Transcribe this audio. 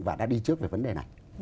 và đã đi trước về vấn đề này